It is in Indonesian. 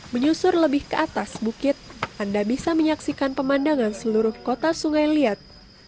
menyusur lebih ke atas bukit anda bisa menyaksikan pemandangan seluruh kota sungai liat